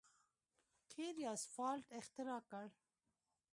قیر یا سفالټ اختراع کړ.